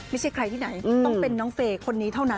ไม่ใช่ใครที่ไหนต้องเป็นน้องเฟย์คนนี้เท่านั้น